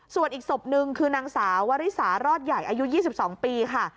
ส่วนอีกศพนึงคือนางสาววริสารอดใหญ่อายุ๒๒ปีค่ะ